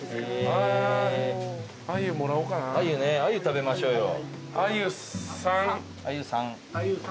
食べましょうよ。